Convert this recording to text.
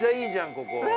ここ。